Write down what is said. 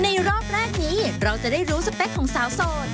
รอบแรกนี้เราจะได้รู้สเปคของสาวโสด